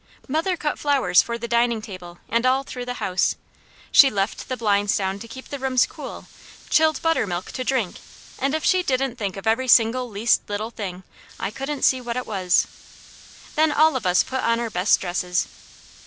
Mother cut flowers for the dining table, and all through the house. She left the blinds down to keep the rooms cool, chilled buttermilk to drink, and if she didn't think of every single, least little thing, I couldn't see what it was. Then all of us put on our best dresses.